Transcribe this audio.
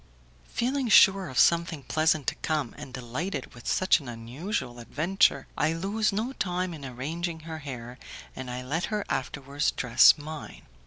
Feeling sure of something pleasant to come, and delighted with such an unusual adventure, I lose no time in arranging her hair, and I let her afterwards dress mine.